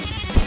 ya udah bang